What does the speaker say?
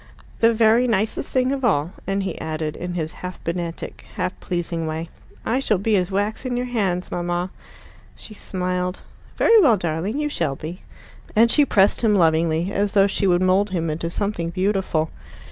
"The very nicest thing of all." And he added, in his half pedantic, half pleasing way, "I shall be as wax in your hands, mamma." She smiled. "Very well, darling. You shall be." And she pressed him lovingly, as though she would mould him into something beautiful.